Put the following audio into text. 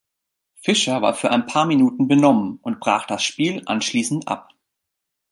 Fischer war für ein paar Minuten benommen und brach das Spiel anschließend ab.